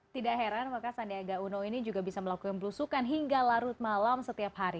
tidak heran maka sandiaga uno ini juga bisa melakukan belusukan hingga larut malam setiap hari